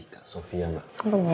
kak sofia mbak